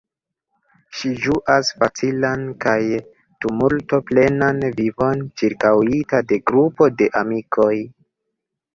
Ŝi ĝuas facilan kaj tumulto-plenan vivon, ĉirkaŭita de grupo de amikoj.